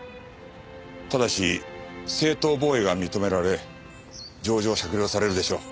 ただし正当防衛が認められ情状酌量されるでしょう。